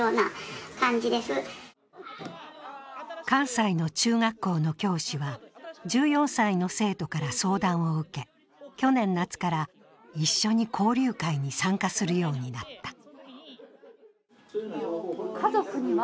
関西の中学校の教師は、１４歳の生徒から相談を受け、去年夏から一緒に交流会に参加するようになった。